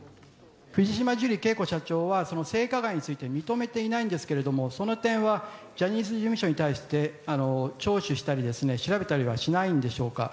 藤島ジュリー景子社長は、性加害について認めていないんですけれども、その点はジャニーズ事務所に対して、聴取したり、調べたりはしないんでしょうか。